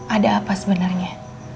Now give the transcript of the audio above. ada apa sebenarnya